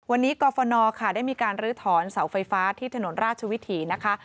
วันนี้กรฟนค่ะได้มีการลื้อถอนเสาไฟฟ้าที่ถนนราชวิถีนะคะ